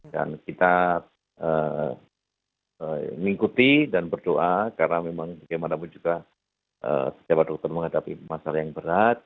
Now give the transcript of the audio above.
dan kita mengikuti dan berdoa karena memang bagaimanapun juga setiap dokter menghadapi masalah yang berat